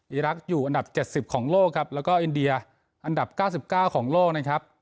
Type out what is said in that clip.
อีรักษ์อยู่อันดับ๗๐ของโลกครับแล้วก็อินเดียอันดับ๙๙ของโลกนะครับ